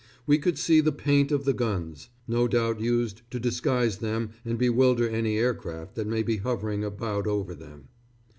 We could see the paint of the guns, no doubt used to disguise them and bewilder any aircraft that may be hovering about over them....